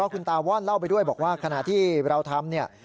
คุณตาว่อนเล่าไปด้วยบอกว่าขณะที่เราทำเนี่ย